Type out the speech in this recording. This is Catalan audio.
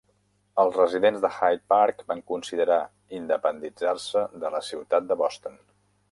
Els residents de Hyde Park van considerar independitzar-se de la ciutat de Boston.